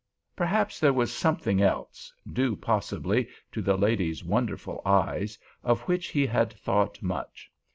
Perhaps there was something else, due possibly to the lady's wonderful eyes, of which he had thought much.